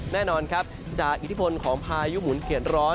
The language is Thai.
แน่นอนจะอิทธิพลของพายุหมุนเข็ดร้อน